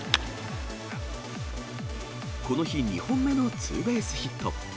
この日２本目のツーベースヒット。